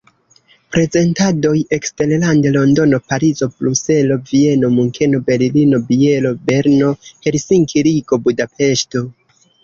Prezentadoj eksterlande: Londono, Parizo, Bruselo, Vieno, Munkeno, Berlino, Bielo, Berno, Helsinki, Rigo, Budapeŝto.